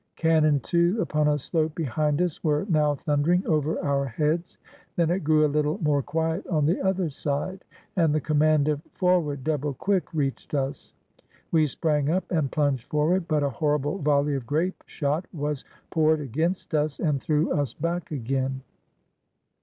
" Cannon, too, upon a slope behind us were now thundering over our heads. Then it grew a Httle more quiet on the other side, and the command of "For ward, double quick!" reached us. We sprang up and plunged forward, but a horrible volley of grape shot was poured against us and threw us back again.